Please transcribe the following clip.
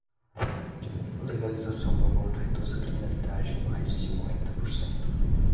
Legalização do aborto reduz a criminalidade em mais de cinquenta por cento